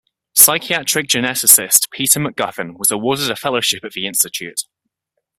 Psychiatric geneticist Peter McGuffin was awarded a fellowship at the Institute.